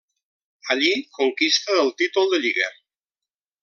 Allí conquista el títol de Lliga.